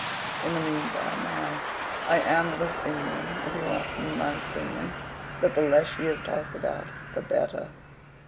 In the mean time, ma'am, I am of opinion, if you ask me my opinion, that the less she is talked about, the better.